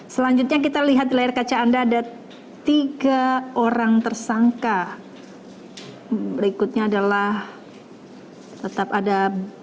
selanjutnya kita lihat di layar kaca anda ada tiga orang tersangka berikutnya adalah tetap ada